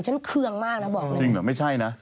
เคืองมากนะบอกเลยจริงเหรอไม่ใช่นะ